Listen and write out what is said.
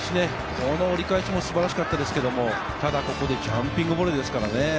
この折り返しも素晴らしかったですけど、ジャンピングボレーですからね。